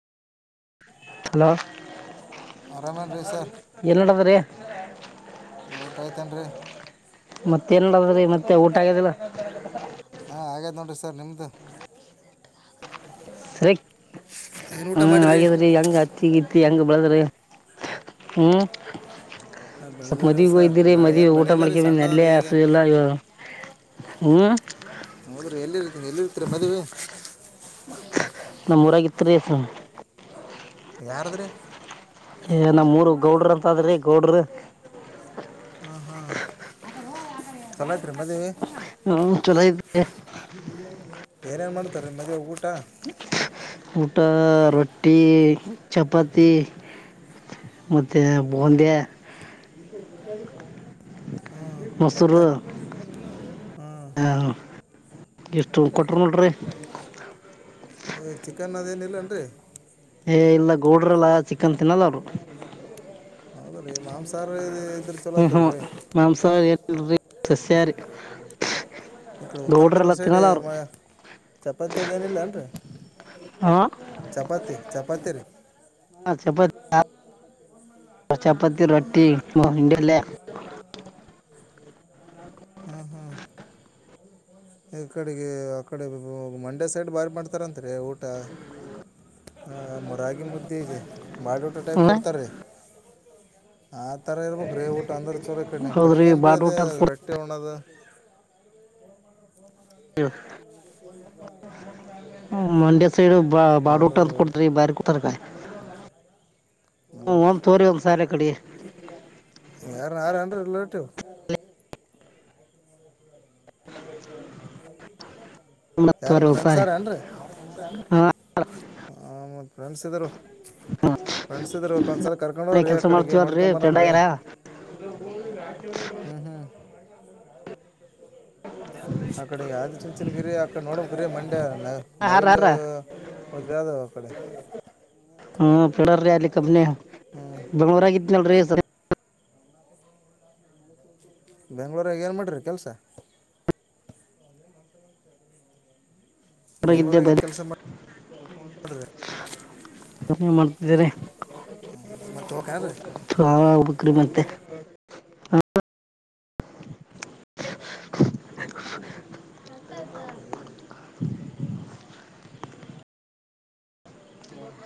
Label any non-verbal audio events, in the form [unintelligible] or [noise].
Hello ಆರಾಮೇನು ರೀ sir ಏಲ್ ನೋಡದ್ರೀ ಊಟ ಆಯ್ತೇನ್ ರೀ ಮತ್ತ ಏನ್ಡದ್ರೀ ಮತ್ತೆ ಊಟ ಆಗ್ಯದಿಲ್ಲ ಹಾ ಹಾಗೇದ್ ನೋಡ್ರಿ ಸರ್ ನಿಮ್ದು ಸರಿ ಏನು ಊಟ ಹ್ಮ ಮಾಡಿರಿ ಹಾಗೆದ್ರಿ ಹೆಂಗ ಹತ್ತಿ ಗಿತ್ತಿ ಹೆಂಗ ಬೆಳದ್ರಿ ಹ್ಮ್ ಸ್ವಲ್ಪ ಬೆಳೆದು ರೀ ಮದ್ವಿಗ್ ಸರ್ ಹಯ್ದಿರರಿ ಬೆಳೆ ಮದ್ವಿ ಏನು ಊಟ ಬೆಳಿಲ್ಲ ಮಾಡ್ಕ ರೀ ಬಂದೆ ಅಲ್ಲೇ ಸಣ್ಣದದ ಈಗ ಹಸಿವಿಲ್ಲ ಇವಾಗ ಹ್ಮ ಹೌದ್ರೀ ಎಲ್ಲಿರ್ತಿ ಎಲ್ಲಿ ಇರ್ತೀರಿ ಮದ್ವಿ ನಮೋರಾಗ ಇತ್ರೀ ಸ ಯಾರದ್ರೀ ನಮ್ಮ್ಉರ ಗೌಡ್ರ ಅಂತ ಆದ್ರೀ ಗೌಡರು ಹಾ ಹಾ ಚಲೋ ಐತ್ ರೀ ಮದ್ವಿ ಹ್ಮ ಚಲೋ ಇತ್ರಿ ಏನೇನ್ ಮಾಡತರ ಮದ್ವೆ ಊಟ ಊಟ ರೊಟ್ಟಿ ಚಪಾತಿ ಮತ್ತೆ ಬೋಂದಿ ಹ್ಞೂ ಮೊಸರು ಮತ್ತೆ ಹ್ಞೂ ಹಾ ಎಷ್ಟು ಕೊಟರು ನೋಡ್ರರಿ ಏ ಚಿಕನ್ ಅದೇನಿಲ್ಲನ್ ರಿ ಏ ಇಲ್ಲ ಗೌಡ್ರಲ್ಲ ಚಿಕನ್ ತಿನ್ನಲ್ಲ ಅವರು ಸ ಮಾಂಸಾಹರಿ ಇದು ಇದ್ರ ಚಲೋ ಹ ಹಾ ಆತಲ್ಲ ರೀ ಮಾಂಸಹಾರಿ ಅಲ್ರಿ ಸಸ್ಯಾಹಾರಿ ಈ ಕಡೆ ಉತ್ತರ ಗೌಡ್ರೆಲ್ಲ ಕನ್ನಡ ಸೈಡ್ ತಿನ್ನಲ್ಲ ಅವ್ರು ಮ ಚಪಾತಿಯದೇಏನಿಲ್ಲೇನ್ ರೀ ಹಾಂ ಚಪಾತಿ ಚಪಾತಿರಿ ಹಾಂ ಚಪಾತಿ ಚಪಾತಿ ರೊಟ್ಟಿ ಇಂಡಿಯ ಲ ಹಾಂ ಹಾಂ ಈ ಕಡೆಗೆ ಆ ಕಡೆ ಮಂಡ್ಯ ಸೈಡ್ ಭಾರಿ ಮಾಡ್ತಾರಂತ್ ರೀ ಊಟ ಹ ಮರಾಗಿ ಮುದ್ದೆ ಇದೆ ಬಾಡುಟ ಟೈಪ್ ಹ್ಞೂ ಕೊಡ್ತಾರೆೀ ಆ ಥರ ಇರ್ಬೇಕು ರೀ ಊಟ ಅಂದ್ರೆ ಚೋಲೋ ಕಮಗೆ ನಿಮ್ ಹೌದ್ರಿ ಕಡೆಗೆ ಏನ್ ರೀ ಬಾಡ್ ಅದು ಊಟ ಅಂತ ಕೊಡ್ತೀವಿ ರಟ್ಟಿ ಉಣ್ಣೋದು ಮಂಡ್ಯ ಸೈಡ್ ಹೌದು ಬಡೋಟ ಹೌದು ರೀ ಕೊಡತ್ರಿ ಬಾರಿ ಕುತಾರಕಾಯಿ ಒಂದು ತೋರಿ ಒಂದ್ ಸಾಲೆ ಕಡೆ ಯಾರು ಯಾರು ಅರೇಂನ್ರೀ ರಿಲೇಟಿವ್ [inaudible] ಒಬತು ಯಾರನ್ನ ರುಪಾಯಿ [unintelligible] ಹ ಮತ್ ಫ್ರೆಂಡ್ಸ್ ಇದರು ಫ್ರೆಂಡ್ಸ್ ಇದ್ರರು ಒಂದ್ಸಲ ಕರ್ಕೊಂಡು ಹೋಗ್ ರಿ ಆ ಕೆಲಸ ಕಡೆಗೆ ಮಾಡ್ತೀವಲ್ರಿ ನೋಡ್ಕೊಂಬರಾಮ ಫ್ರೆಂಡ್ ರೀ ಆಗ್ಯಾರ ಹ್ಮ್ ಹ್ಮ್ ಅಕಡೆ ಆದಿಚುಂಚನಗಿರಿ ಅಕಡೆ ನೋಡ್ಬೇಕ್ರಿ ಮಂಡ್ಯ ಹಾರ ನವಲ್ ಹಾರ ಅದಾವ್ ಆಕಡೆ ಹ್ಮ ಪಡ್ರೀ ಅಲ್ಲಿ ಕಬ್ನ ಹ್ಞೂ ಬೆಂಗಳೂರಗ್ ಇದನಲ್ರಿೀ ಬೆಂಗ್ಳೂರಾಗ ಏನ ಮಾಡರಿ ಕೆಲ್ಸ. ಗಿದ್ದೇ ಬೆಂಗ್ಳೂರಾಗ ಏನು ಬರ್ ಕೆಲಸ ಏನ್ ಮಾಡ್ತಿದ್ದಿರೀ. ಹ್ಮ ಮತ್ತ ಹೋಕದ ಹಾ ಹೋ ಬಕ್ರಿ ಮತ್ತೆ